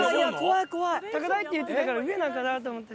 高台って言ってたから上なんかな？と思って。